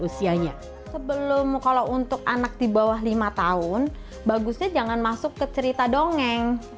usianya sebelum kalau untuk anak di bawah lima tahun bagusnya jangan masuk ke cerita dongeng